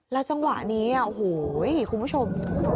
จังหวะนี้โอ้โหคุณผู้ชม